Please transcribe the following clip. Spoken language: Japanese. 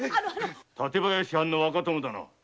館林藩の若殿だな。